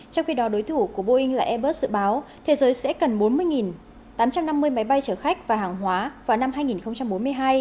trong khi đó đối thủ của boeing là airbus dự báo thế giới sẽ cần bốn mươi tám trăm năm mươi máy bay chở khách và hàng hóa vào năm hai nghìn bốn mươi hai